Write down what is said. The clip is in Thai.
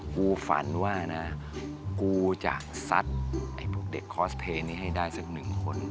กูฝันว่านะกูจะซัดไอ้พวกเด็กคอสเพลย์นี้ให้ได้สักหนึ่งคน